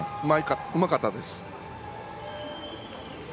うまかったです。